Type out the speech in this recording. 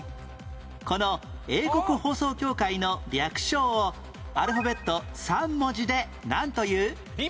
この英国放送協会の略称をアルファベット３文字でなんという？